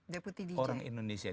deputi dj orang indonesia